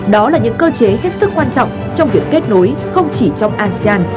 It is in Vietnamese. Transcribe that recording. đó là những cơ chế hết sức quan trọng trong việc kết nối không chỉ trong asean